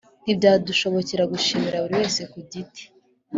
ntibyadushobokera gushimira buri wese ku giti